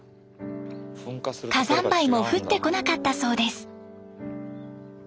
火山灰も降ってこなかったそうです。